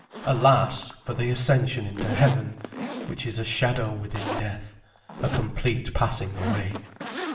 Alas, for the Ascension into heaven, which is a shadow within death, a complete passing away.